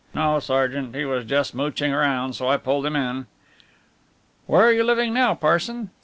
"No, sergeant he was just mouching round, so I pulled him in." "Where are you living now, Parson?"